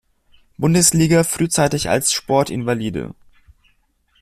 Bundesliga frühzeitig als Sportinvalide.